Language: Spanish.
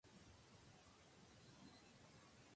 Dicha tostada se elabora con piña como ingrediente.